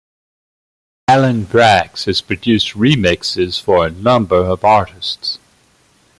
Alan Braxe has produced remixes for a number of artists.